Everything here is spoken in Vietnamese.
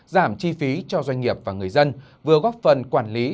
giảm chi phí cho doanh nghiệp và người dân vừa góp phần quản lý